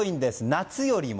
夏よりも。